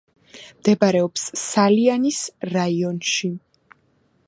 მდებარეობს სალიანის რაიონში.